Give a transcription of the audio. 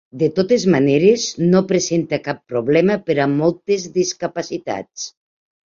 De totes maneres, no presenta cap problema per a moltes discapacitats.